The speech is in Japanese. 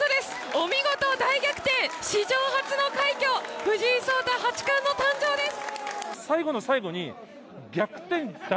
お見事大逆転、史上初の快挙、藤井聡太八冠の誕生です。